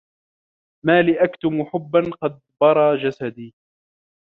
ما لي أُكَتِّمُ حُبًّا قَدْ بَـرَى جَسَـدي